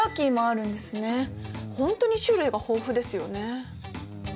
本当に種類が豊富ですよね。